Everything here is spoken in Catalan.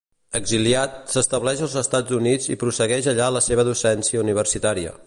Exiliat, s'estableix als Estats Units i prossegueix allà la seva docència universitària.